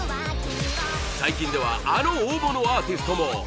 最近ではあの大物アーティストも。